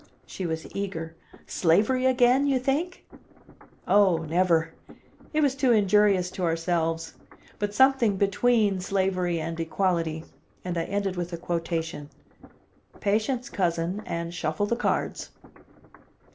She was eager. "Slavery again, you think?" "Oh, never! It was too injurious to ourselves. But something between slavery and equality." And I ended with a quotation: "'Patience, cousin, and shuffle the cards.